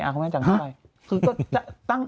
เอ้าคุณแม่นเขาจะสู้กันอย่างไร